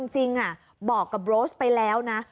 จริงบอกกับโรสไปแล้วนะ